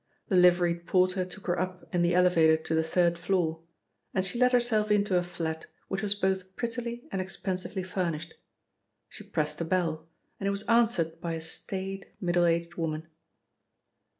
The liveried porter took her up in the elevator to the third floor, and she let herself into a flat which was both prettily and expensively furnished. She pressed a bell, and it was answered by a staid middle aged woman.